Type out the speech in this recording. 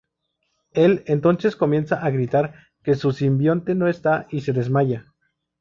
Él entonces comienza a gritar que su simbionte no está y se desmaya.